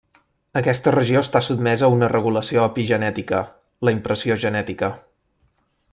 Aquesta regió està sotmesa a una regulació epigenètica, la impressió genètica.